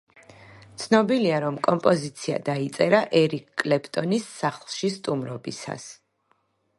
ცნობილია, რომ კომპოზიცია დაიწერა ერიკ კლეპტონის სახლში სტუმრობისას.